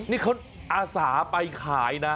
นี่เขาอาสาไปขายนะ